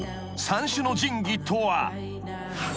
三種の神器とは］